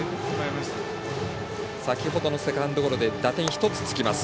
先ほどのセカンドゴロで打点が１つ、つきます。